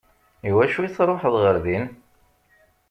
I wacu i tṛuḥeḍ ɣer din?